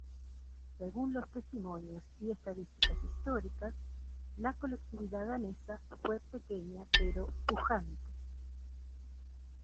Según los testimonios y estadísticas históricas, la colectividad danesa fue pequeña pero pujante.